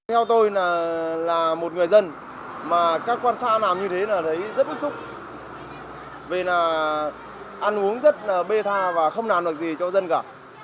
theo tôi là một người dân mà các quan sát làm như thế là thấy rất bức xúc vì là ăn uống rất bê tha và không làm được gì cho dân cả